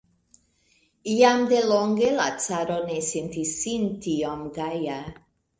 Jam de longe la caro ne sentis sin tiom gaja.